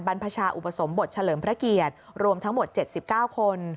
พชาอุปสมบทเฉลิมพระเกียรติรวมทั้งหมด๗๙คน